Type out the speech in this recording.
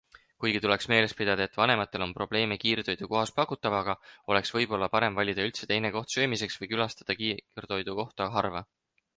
Kuigi tuleks meeles pidada, et kui vanematel on probleeme kiirtoidu kohas pakutavaga, oleks võib-olla parem valida üldse teine koht söömiseks või külastada kiirtoidukohta harva.